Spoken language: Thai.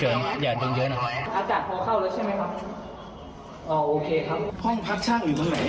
ห้องพักช่างอยู่ข้างไหน